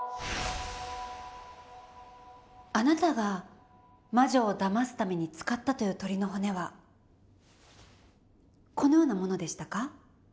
あなたが魔女をだますために使ったという鶏の骨はこのようなものでしたか？